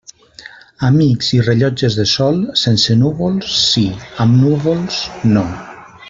Amics i rellotges de sol, sense núvols sí, amb núvols no.